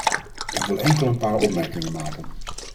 Ik wil enkel een paar opmerkingen maken.